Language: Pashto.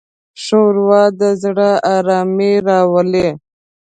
ښوروا د زړه ارامي راولي.